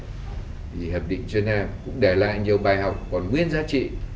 thì hiệp định geneva cũng để lại nhiều bài học còn nguyên giá trị